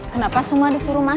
kenapa semua disuruh masuk